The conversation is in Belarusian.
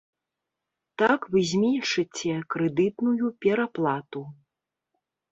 Так вы зменшыце крэдытную пераплату.